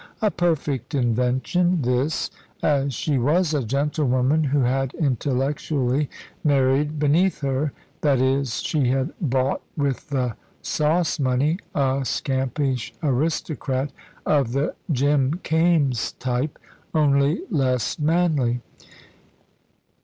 A perfect invention, this, as she was a gentlewoman who had, intellectually, married beneath her that is, she had bought with the sauce money a scampish aristocrat of the Jim Kaimes type, only less manly.